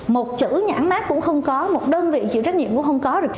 một chữ nhãn mát cũng không có một đơn vị chịu trách nhiệm cũng không có được